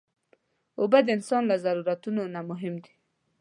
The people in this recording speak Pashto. اوبه د انسان له ضرورتونو نه مهم دي.